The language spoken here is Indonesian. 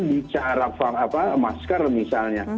bicara masker misalnya